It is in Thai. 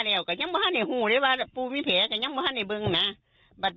แต่ก่อนก็เขยับไปเรื่อย